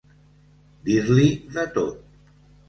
Dir-li de tot.